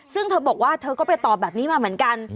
ซึ่งเธอบอกว่าเธอก็ไปตอบแบบนี้มาเหมือนกัน